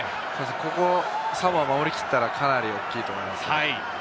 ここサモアが守り切ったら、かなり大きいと思います。